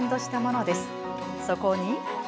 そこに。